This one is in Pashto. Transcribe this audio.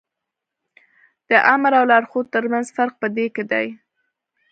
د آمر او لارښود تر منځ فرق په دې کې دی.